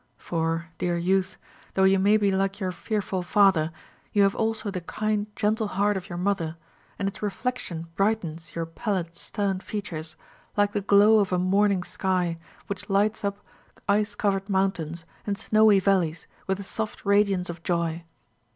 For, dear youth, though you may be like your fearful father, you have also the kind, gentle heart of your mother; and its reflection brightens your pallid, stern features, like the glow of a morning sky, which lights up ice covered mountains and snowy valleys with the soft radiance of joy.